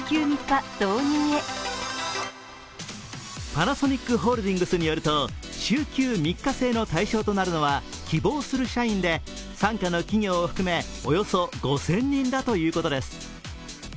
パナソニックホールディングスによると、週休３日制の対象となるのは希望する社員で傘下の企業を含めおよそ５０００人だということです。